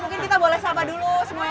mungkin kita boleh sapa dulu semuanya